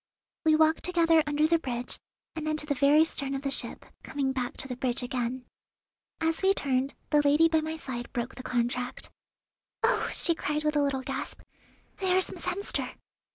'" We walked together under the bridge, and then to the very stern of the ship, coming back to the bridge again. As we turned, the lady by my side broke the contract. "Oh!" she cried with a little gasp, "there is Miss Hemster!"